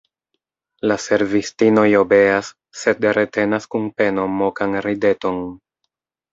La servistinoj obeas, sed retenas kun peno mokan rideton.